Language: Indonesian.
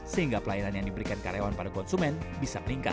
sehingga pelayanan yang diberikan karyawan pada konsumen bisa meningkat